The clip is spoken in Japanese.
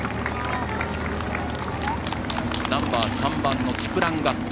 ナンバー３番のキプランガット。